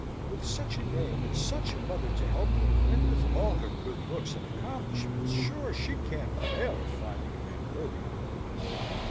With such a name and such a mother to help her, and with all her good looks and accomplishments, sure, she can't fail of finding a man worthy of her.